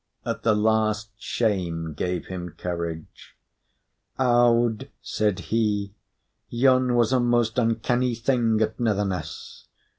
At the last, shame gave him courage. "Aud," said he, "yon was a most uncanny thing at Netherness."